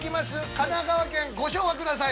神奈川県、ご唱和ください。